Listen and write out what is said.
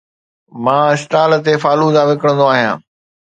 مان اسٽال تي فالودا وڪڻندو آهيان